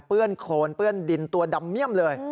เปื้อนโครนเปื้อนดินตัวดำเงียมเลย